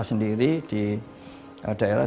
sendiri di daerah